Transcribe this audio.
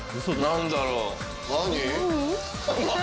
何だろう？